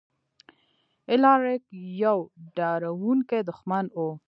الاریک یو ډاروونکی دښمن و.